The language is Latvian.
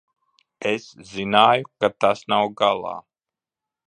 Es zināju, ka tas nav galā.